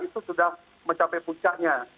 itu sudah mencapai pucatnya